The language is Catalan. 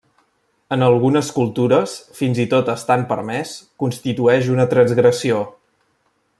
En algunes cultures, fins i tot estant permès, constitueix una transgressió.